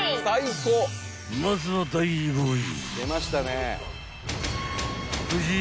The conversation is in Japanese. ［まずは第５位］